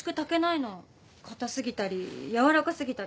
硬すぎたりやわらかすぎたり。